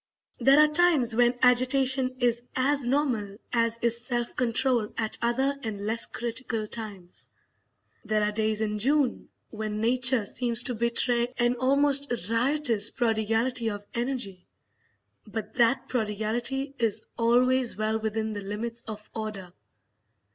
There are times when agitation is as normal as is self control at other and less critical times. There are days in June when Nature seems to betray an almost riotous prodigality of energy; but that prodigality is always well within the limits of order.